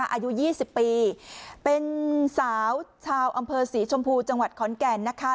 อายุ๒๐ปีเป็นสาวชาวอำเภอศรีชมพูจังหวัดขอนแก่นนะคะ